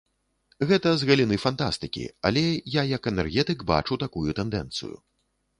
Гэта з галіны фантастыкі, але я як энергетык бачу такую тэндэнцыю.